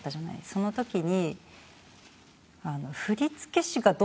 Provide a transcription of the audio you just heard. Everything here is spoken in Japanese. その時に。